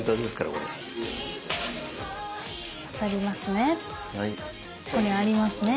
ここにありますね。